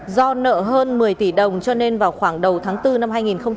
do nợ hơn một mươi tỷ đồng cho nên vào khoảng đầu tháng bốn năm hai nghìn hai mươi